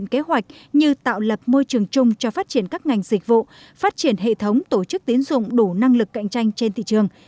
kế hoạch như tạo lập môi trường chung cho phát triển các ngành dịch vụ phát triển hệ thống tổ chức tiến dụng đủ năng lực cạnh tranh trên thị trường